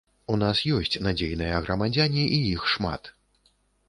У нас ёсць надзейныя грамадзяне і іх шмат.